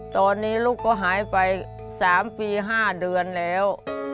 ตอนนี้ลูกก็หายไป๓ปี๕เดือนแล้ว